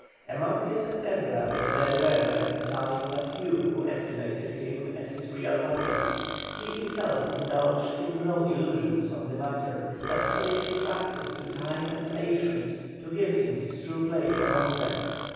Among his contemporaries there were, at that time, but few who estimated him at his real value. He himself indulged in no illusions on the matter, but stoically trusted to time and patience to give him his true place among them.